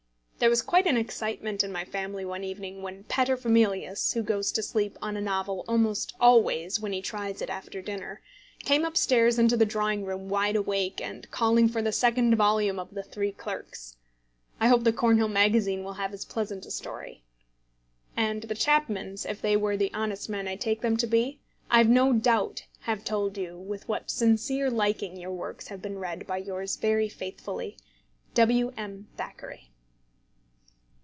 There was quite an excitement in my family one evening when Paterfamilias (who goes to sleep on a novel almost always when he tries it after dinner) came up stairs into the drawing room wide awake and calling for the second volume of The Three Clerks. I hope the Cornhill Magazine will have as pleasant a story. And the Chapmans, if they are the honest men I take them to be, I've no doubt have told you with what sincere liking your works have been read by yours very faithfully, W. M. THACKERAY.